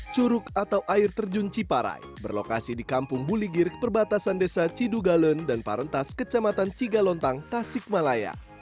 curug atau air terjun ciparai berlokasi di kampung buligir perbatasan desa cidugalen dan parentas kecamatan cigalontang tasikmalaya